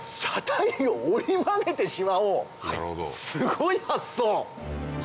すごい発想！